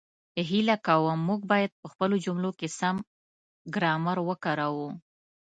هیله کووم، موږ باید په خپلو جملو کې سم ګرامر وکاروو